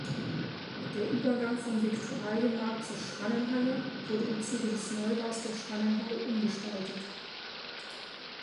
Der Übergang vom Viktualienmarkt zur Schrannenhalle wurde im Zuge des Neubaus der Schrannenhalle umgestaltet.